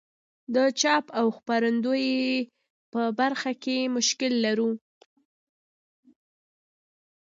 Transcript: د چاپ او خپرندوی په برخه کې مشکل لرو.